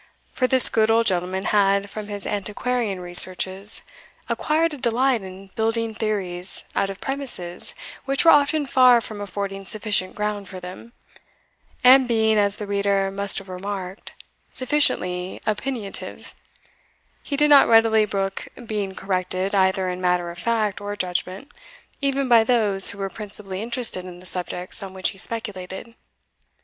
For this good old gentleman had, from his antiquarian researches, acquired a delight in building theories out of premises which were often far from affording sufficient ground for them; and being, as the reader must have remarked, sufficiently opinionative, he did not readily brook being corrected, either in matter of fact or judgment, even by those who were principally interested in the subjects on which he speculated.